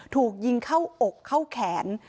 ถูกยิงเข้าอกเข้าแขน